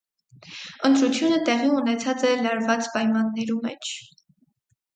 Ընտրութիւնը տեղի ունեցած է լարուած պայմաններու մէջ։